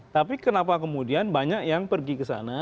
tapi kenapa kemudian banyak yang pergi ke sana